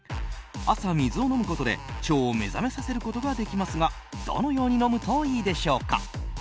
朝、水を飲むことで腸を目覚めさせることができますがどのように飲むといいでしょうか。